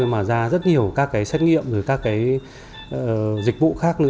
mà ra rất nhiều các cái xét nghiệm các cái dịch vụ khác